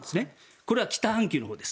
これは北半球のほうです。